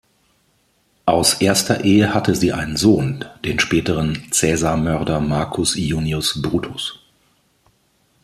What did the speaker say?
Aus erster Ehe hatte sie einen Sohn, den späteren Caesarmörder Marcus Iunius Brutus.